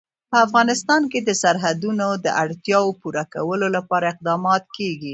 په افغانستان کې د سرحدونه د اړتیاوو پوره کولو لپاره اقدامات کېږي.